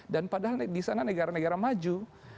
dan padahal disana negara negara maju